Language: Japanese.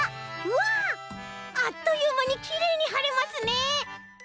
うわあっというまにきれいにはれますね。